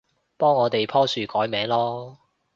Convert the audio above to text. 幫我哋棵樹改名囉